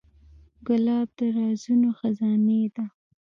ګلاب د رازونو خزانې ده.